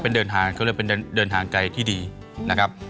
เป็นเดินทางเขาเรียกเป็นเดินทางไกลที่ดีนะครับ